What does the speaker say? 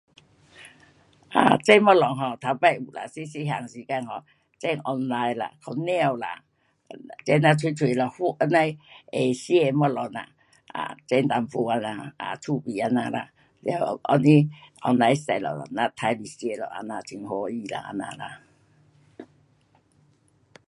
啊，这东西 um 头次有啦，小小汉时间 um 种黄梨啦，胡椒啦，这样碎碎咯，好这样的呃，吃的东西呐，啊，种一点啦，啊，出味这样啦，完后日黄梨熟了，咱杀来吃咯，这样很欢喜啦，这样呐。